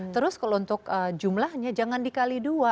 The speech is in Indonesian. terus kalau untuk jumlahnya jangan dikali dua